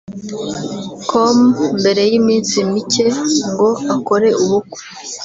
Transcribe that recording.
com mbere y'iminsi micye ngo akore ubukwe